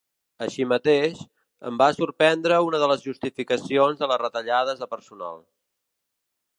Així mateix, em va sorprendre una de les justificacions de les retallades de personal.